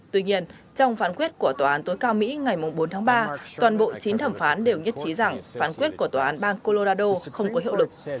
tuy nhiên trong phán quyết của tòa án tối cao mỹ ngày bốn tháng ba toàn bộ chín thẩm phán đều nhất trí rằng phán quyết của tòa án bang colorado không có hiệu lực